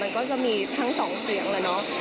มันก็จะมีทั้งสองเสียงแหละเนาะ